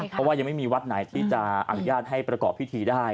เพราะว่ายังไม่มีวัดไหนที่จะอนุญาตให้ประกอบพิธีได้